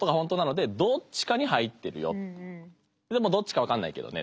でもどっちか分かんないけどね。